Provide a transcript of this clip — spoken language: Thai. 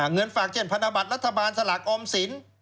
เงินฝากเช่นพันธบัตรรัฐบาลสลากออมสิน